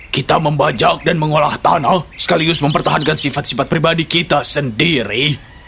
kita membajak dan mengolah tanah sekaligus mempertahankan sifat sifat pribadi kita sendiri